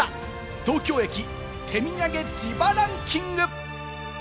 東京駅、手土産自腹ンキング！